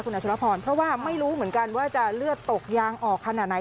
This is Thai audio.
อัชรพรเพราะว่าไม่รู้เหมือนกันว่าจะเลือดตกยางออกขนาดไหน